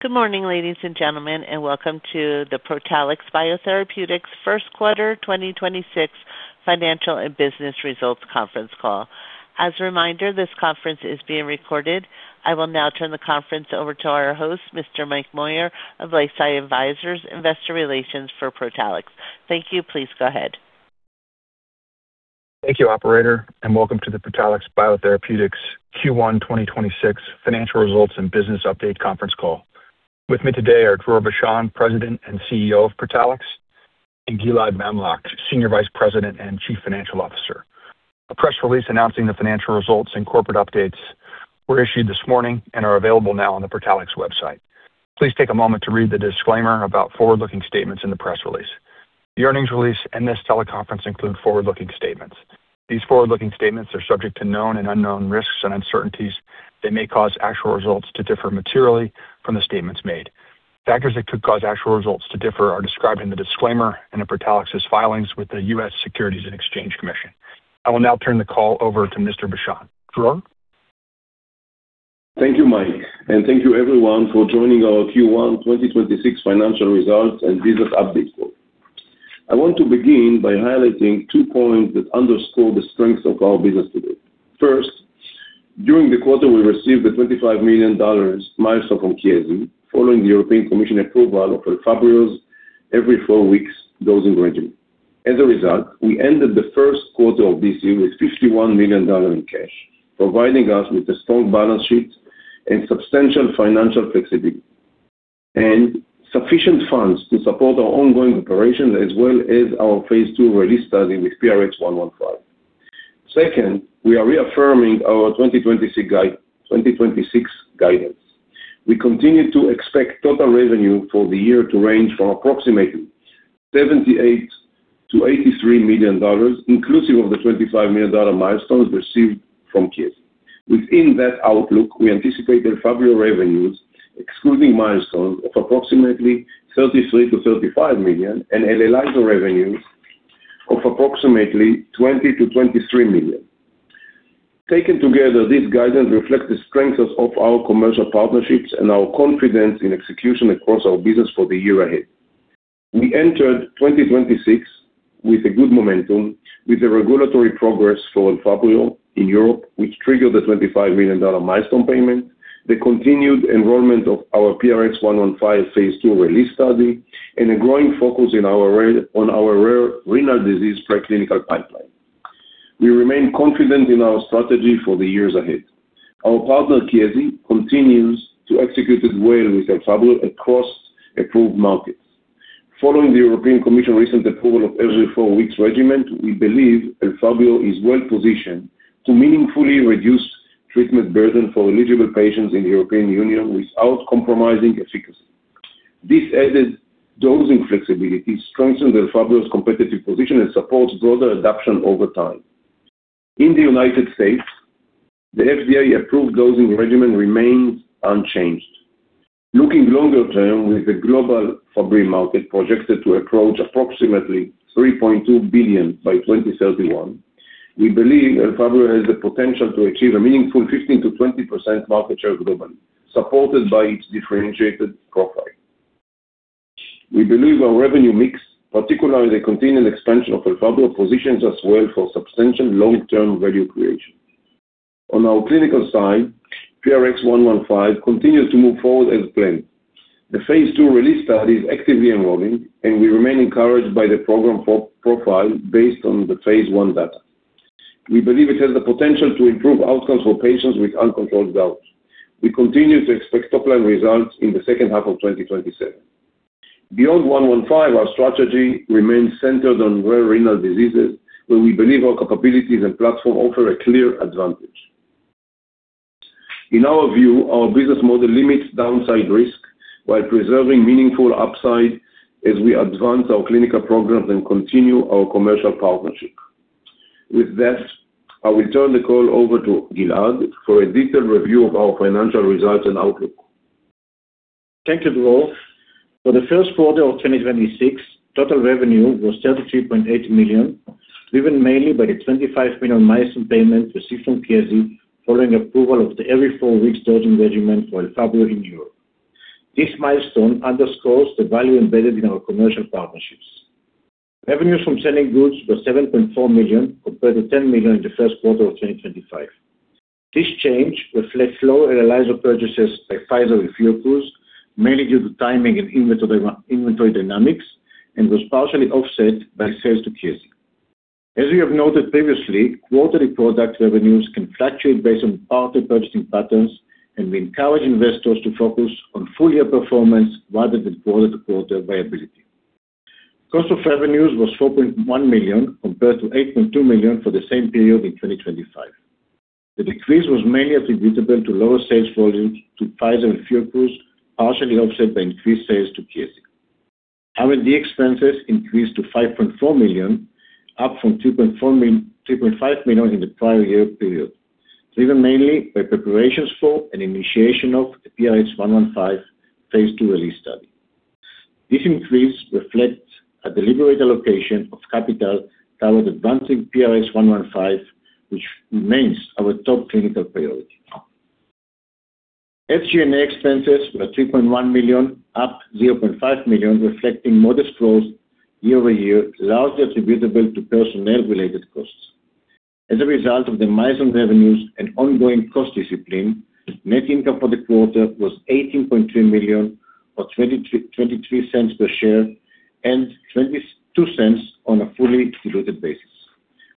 Good morning, ladies and gentlemen, and welcome to the Protalix BioTherapeutics first quarter 2026 financial and business results conference call. As a reminder, this conference is being recorded. I will now turn the conference over to our host, Mr. Mike Moyer of LifeSci Advisors, Investor Relations for Protalix. Thank you. Please go ahead. Thank you, operator, and welcome to the Protalix BioTherapeutics Q1 2026 financial results and business update conference call. With me today are Dror Bashan, President and Chief Executive Officer of Protalix, and Gilad Mamlok, Senior Vice President and Chief Financial Officer. A press release announcing the financial results and corporate updates were issued this morning and are available now on the Protalix website. Please take a moment to read the disclaimer about forward-looking statements in the press release. The earnings release and this teleconference include forward-looking statements. These forward-looking statements are subject to known and unknown risks and uncertainties that may cause actual results to differ materially from the statements made. Factors that could cause actual results to differ are described in the disclaimer and in Protalix's filings with the U.S. Securities and Exchange Commission. I will now turn the call over to Mr. Bashan. Dror? Thank you, Mike, and thank you, everyone, for joining our Q1 2026 financial results and business update call. I want to begin by highlighting two points that underscore the strengths of our business today. First, during the quarter, we received the $25 million milestone from Chiesi following the European Commission approval of Elfabrio's every four-week dosing regimen. As a result, we ended the first quarter of this year with $51 million in cash, providing us with a strong balance sheet and substantial financial flexibility and sufficient funds to support our ongoing operation as well as our phase II RELEASE study with PRX-115. Second, we are reaffirming our 2026 guidance. We continue to expect total revenue for the year to range from approximately $78 million-$83 million, inclusive of the $25 million milestones received from Chiesi. Within that outlook, we anticipate Elfabrio revenues excluding milestones of approximately $33 million-$35 million and Elelyso revenues of approximately $20 million-$23 million. Taken together, this guidance reflects the strengths of our commercial partnerships and our confidence in execution across our business for the year ahead. We entered 2026 with a good momentum with the regulatory progress for Elfabrio in Europe, which triggered the $25 million milestone payment, the continued enrollment of our PRX-115 phase II RELEASE study, and a growing focus on our rare renal disease preclinical pipeline. We remain confident in our strategy for the years ahead. Our partner, Chiesi, continues to execute it well with Elfabrio across approved markets. Following the European Commission recent approval of every four weeks regimen, we believe Elfabrio is well-positioned to meaningfully reduce treatment burden for eligible patients in the European Union without compromising efficacy. This added dosing flexibility strengthens Elfabrio's competitive position and supports broader adoption over time. In the U.S., the FDA-approved dosing regimen remains unchanged. Looking longer term, with the global Fabry market projected to approach approximately $3.2 billion by 2031, we believe Elfabrio has the potential to achieve a meaningful 15%-20% market share globally, supported by its differentiated profile. We believe our revenue mix, particularly the continued expansion of Elfabrio, positions us well for substantial long-term value creation. On our clinical side, PRX-115 continues to move forward as planned. The phase II RELEASE study is actively enrolling, and we remain encouraged by the program profile based on the phase I data. We believe it has the potential to improve outcomes for patients with uncontrolled gout. We continue to expect top-line results in the second half of 2027. Beyond PRX-115, our strategy remains centered on rare renal diseases where we believe our capabilities and platform offer a clear advantage. In our view, our business model limits downside risk while preserving meaningful upside as we advance our clinical programs and continue our commercial partnership. With that, I will turn the call over to Gilad for a detailed review of our financial results and outlook. Thank you, Dror. For the first quarter of 2026, total revenue was $33.8 million, driven mainly by the $25 million milestone payment received from Chiesi following approval of the every four weeks dosing regimen for Elfabrio in Europe. This milestone underscores the value embedded in our commercial partnerships. Revenue from selling goods was $7.4 million compared to $10 million in the first quarter of 2025. This change reflects lower Elelyso purchases by Pfizer and Fiocruz, mainly due to timing and inventory dynamics, and was partially offset by sales to Chiesi. As we have noted previously, quarterly product revenues can fluctuate based on partner purchasing patterns. We encourage investors to focus on full-year performance rather than quarter-to-quarter variability. Cost of revenues was $4.1 million compared to $8.2 million for the same period in 2025. The decrease was mainly attributable to lower sales volumes to Pfizer and Fiocruz, partially offset by increased sales to Chiesi. R&D expenses increased to $5.4 million, up from $2.4 million-$2.5 million in the prior year period, driven mainly by preparations for an initiation of the PRX-115 phase II RELEASE study. This increase reflects a deliberate allocation of capital toward advancing PRX-115, which remains our top clinical priority. SG&A expenses were $3.1 million, up $0.5 million, reflecting modest growth year-over-year, largely attributable to personnel-related costs. As a result of the milestone revenues and ongoing cost discipline, net income for the quarter was $18.2 million, or $0.23 per share, and $0.22 on a fully diluted basis,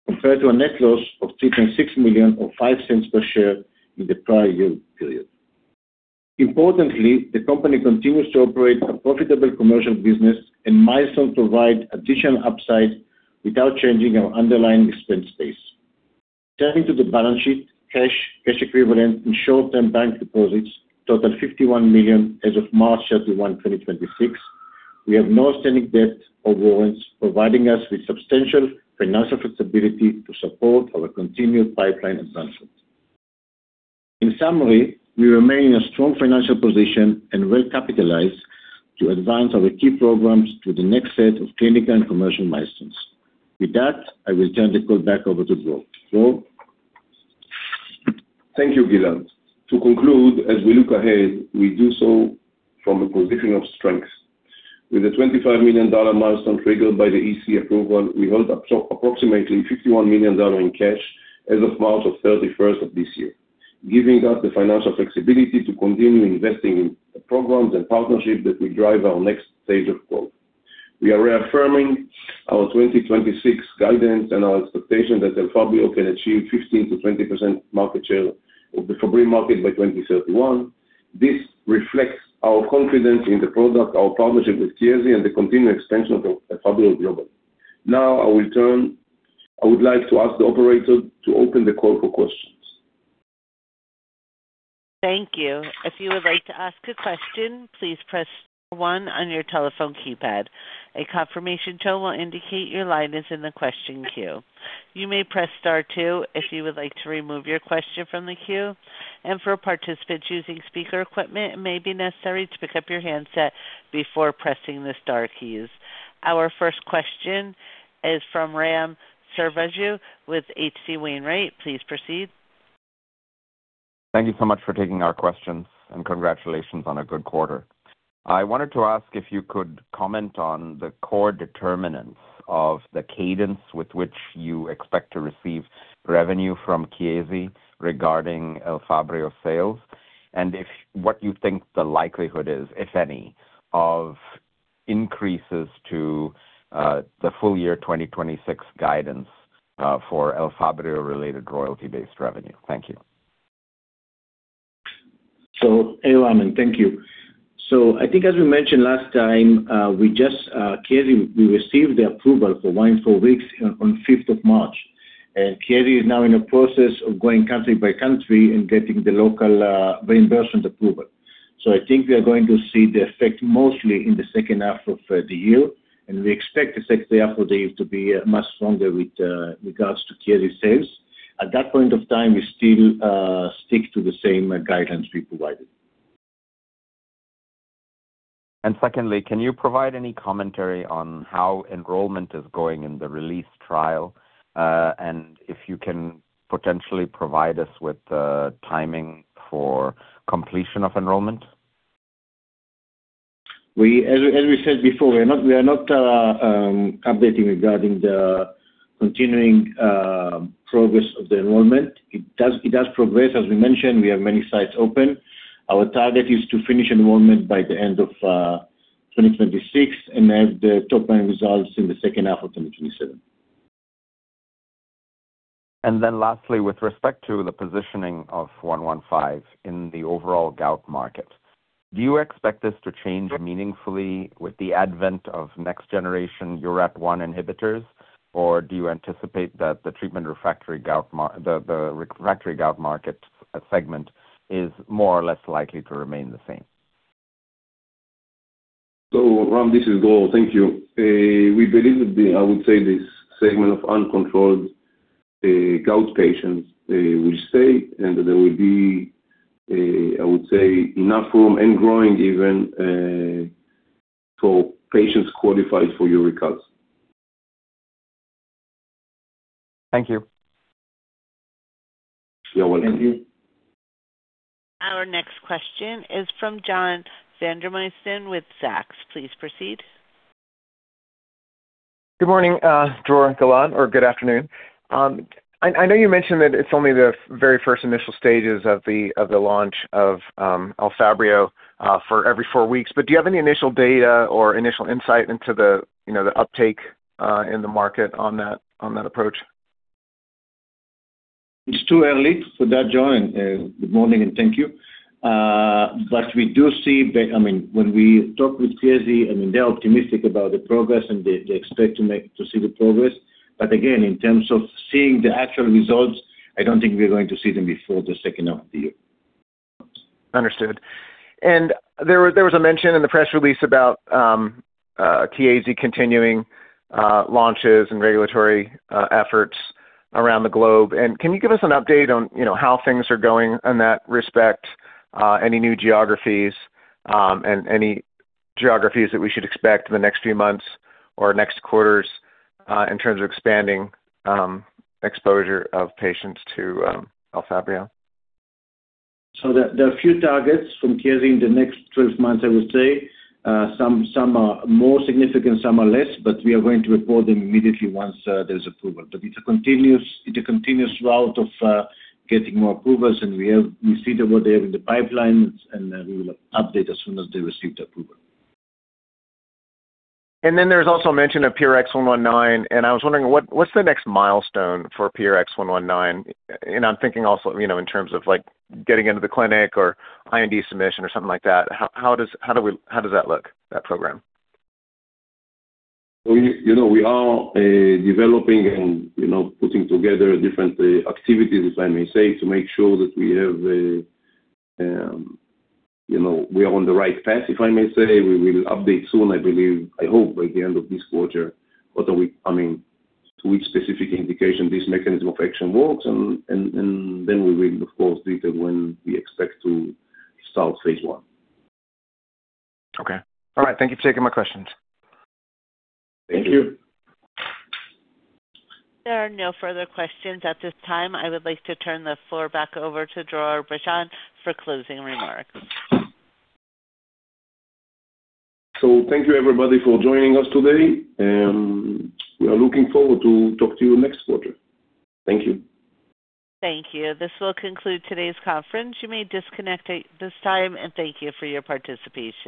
compared to a net loss of $3.6 million, or $0.05 per share in the prior year period. The company continues to operate a profitable commercial business and milestones provide additional upside without changing our underlying expense base. Turning to the balance sheet, cash equivalents and short-term bank deposits totaled $51 million as of March 31, 2026. We have no outstanding debt or warrants, providing us with substantial financial flexibility to support our continued pipeline advancement. We remain in a strong financial position and well capitalized to advance our key programs to the next set of clinical and commercial milestones. With that, I will turn the call back over to Dror. Dror? Thank you, Gilad. To conclude, as we look ahead, we do so from a position of strength. With a $25 million milestone triggered by the EC approval, we hold approximately $51 million in cash as of March 31st of this year, giving us the financial flexibility to continue investing in programs and partnerships that will drive our next stage of growth. We are reaffirming our 2026 guidance and our expectation that Elfabrio can achieve 15%-20% market share of the Fabry market by 2031. This reflects our confidence in the product, our partnership with Chiesi, and the continued expansion of Elfabrio global. Now I would like to ask the operator to open the call for questions. Thank you. If you would like to ask a question, please press one on your telephone keypad. A confirmation tone will indicate your line is in the question queue. You may press star two if you would like to remove your question from the queue. For participants using speaker equipment, it may be necessary to pick up your handset before pressing the star keys. Our first question is from Ram Selvaraju with H.C. Wainwright & Co. Please proceed. Thank you so much for taking our questions, and congratulations on a good quarter. I wanted to ask if you could comment on the core determinants of the cadence with which you expect to receive revenue from Chiesi regarding Elfabrio sales and what you think the likelihood is, if any, of increases to the full year 2026 guidance for Elfabrio-related royalty-based revenue. Thank you. Hey, Ram. Thank you. I think as we mentioned last time, we just, Chiesi, we received the approval for once every four weeks on 5th of March. Chiesi is now in the process of going country by country and getting the local reimbursement approval. I think we are going to see the effect mostly in the second half of the year, and we expect the second half of the year to be much stronger with regards to Chiesi sales. At that point of time, we still stick to the same guidance we provided. Secondly, can you provide any commentary on how enrollment is going in the RELEASE trial? If you can potentially provide us with timing for completion of enrollment? As we said before, we are not updating regarding the continuing progress of the enrollment. It does progress. As we mentioned, we have many sites open. Our target is to finish enrollment by the end of 2026 and have the top-line results in the second half of 2027. Lastly, with respect to the positioning of PRX-115 in the overall gout market, do you expect this to change meaningfully with the advent of next generation URAT1 inhibitors, or do you anticipate that the treatment-refractory gout market segment is more or less likely to remain the same? Ram, this is Dror. Thank you. We believe, I would say this segment of uncontrolled gout patients will stay, and there will be, I would say, enough room and growing even, for patients qualified for uricase. Thank you. You are welcome. Thank you. Our next question is from John Vandermosten with Zacks. Please proceed. Good morning, Dror, Gilad, or good afternoon. I know you mentioned that it's only the very first initial stages of the launch of Elfabrio, for every four weeks, but do you have any initial data or initial insight into the, you know, the uptake, in the market on that approach? It's too early for that, John. Good morning, and thank you. We do see, I mean, when we talk with Chiesi, I mean, they are optimistic about the progress, and they expect to see the progress. Again, in terms of seeing the actual results, I don't think we're going to see them before the second half of the year. Understood. There was a mention in the press release about Chiesi continuing launches and regulatory efforts around the globe. Can you give us an update on, you know, how things are going in that respect, any new geographies, and any geographies that we should expect in the next few months or next quarters, in terms of expanding exposure of patients to Elfabrio? There are a few targets from Chiesi in the next 12 months, I would say. Some are more significant, some are less, but we are going to report them immediately once there's approval. It's a continuous route of getting more approvals, and we see what they have in the pipeline, and we will update as soon as they receive the approval. There's also mention of PRX-119, and I was wondering what's the next milestone for PRX-119? I'm thinking also, you know, in terms of like getting into the clinic or IND submission or something like that. How does that look, that program? We, you know, we are developing and, you know, putting together different activities, if I may say, to make sure that we have, you know, we are on the right path, if I may say. We will update soon, I believe, I hope, by the end of this quarter, or I mean, to which specific indication this mechanism of action works, and then we will, of course, detail when we expect to start phase I. Okay. All right. Thank you for taking my questions. Thank you. Thank you. There are no further questions at this time. I would like to turn the floor back over to Dror Bashan for closing remarks. Thank you, everybody, for joining us today, and we are looking forward to talk to you next quarter. Thank you. Thank you. This will conclude today's conference. You may disconnect at this time. Thank you for your participation.